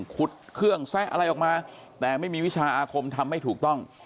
ขุดเครื่องแซะอะไรออกมาแต่ไม่มีวิชาอาคมทำไม่ถูกต้อง